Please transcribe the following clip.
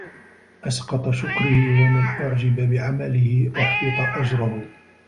أَسْقَطَ شُكْرِهِ ، وَمَنْ أُعْجِبَ بِعَمَلِهِ أُحْبِطَ أَجْرُهُ